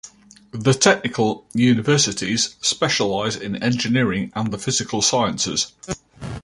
The "technical universities" specialize in engineering and the physical sciences.